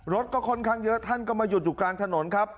รถก็ค่อนข้างเยอะท่านก็มาหยุดอยู่กลางถนนครับ